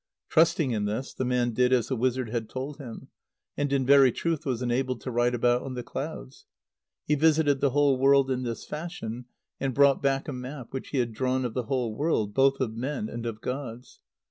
Trusting in this, the man did as the wizard had told him, and in very truth was enabled to ride about on the clouds. He visited the whole world in this fashion, and brought back a map which he had drawn of the whole world both of men and of gods.